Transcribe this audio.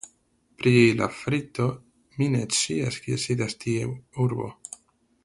Pri Lafrito, mi ne scias kie sidas tiu urbo.